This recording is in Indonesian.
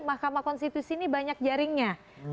mahkamah konstitusi ini banyak jaringnya